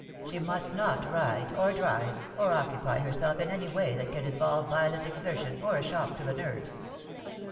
She must not ride, or drive, or occupy herself in any way that can involve violent exertion, or a shock to the nerves.